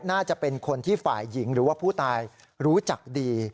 น่าจะเป็นคนที่ฝ่ายหญิงหรือว่าผู้ตายรู้จักดี